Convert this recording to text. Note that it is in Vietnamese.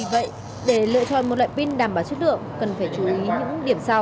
vậy để lựa chọn một loại pin đảm bảo chất lượng cần phải chú ý những điểm sau